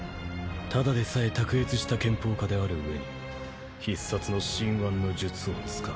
ただでさえ卓越した拳法家である上に必殺の伸腕の術を使う。